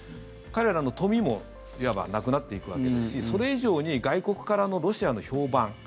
彼らの富もいわばなくなっていくわけですしそれ以上に外国からのロシアの評判